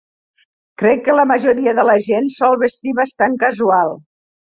Crec que la majoria de la gent sol vestir bastant casual.